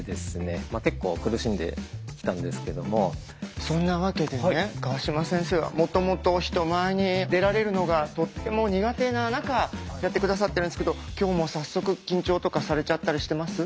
僕はそんなわけでね川島先生はもともと人前に出られるのがとっても苦手な中やって下さってるんですけど今日も早速緊張とかされちゃったりしてます？